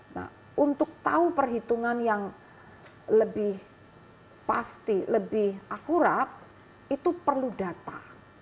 nah untuk tahu perhitungan yang lebih pasti lebih akurat itu perlu data